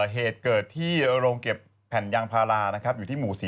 เหตุเกิดที่โรงเก็บแผ่นยางพารานะครับอยู่ที่หมู่๔